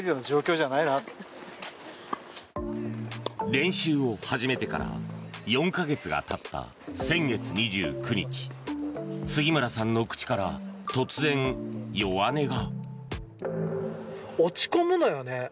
練習を始めてから４か月がたった先月２９日杉村さんの口から突然、弱音が。